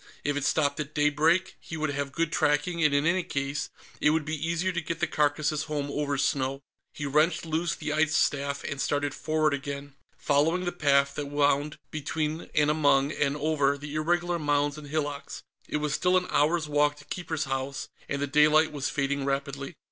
If it stopped at daybreak, he would have good tracking, and in any case, it would be easier to get the carcasses home over snow. He wrenched loose the ice staff and started forward again, following the path that wound between and among and over the irregular mounds and hillocks. It was still an hour's walk to Keeper's House, and the daylight was fading rapidly.